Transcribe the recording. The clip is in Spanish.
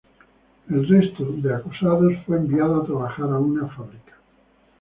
El resto de acusados fue enviado a trabajar a una fábrica.